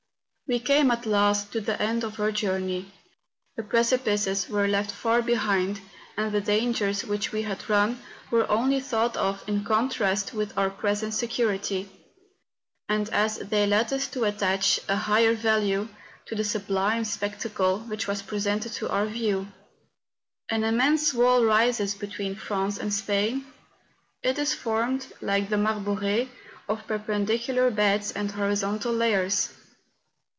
We came at last to the end of our journey; the precipices were left far behind, and the dangers which we had run were only thought of in contrast with our present security, and as they led us to attach a higher value to the sublime spectacle which was presented to our view. An immense wall rises between France and Spain; it is formed, like the Marbore, of perpendicular beds and horizontal layers.